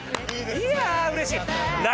いやあうれしい！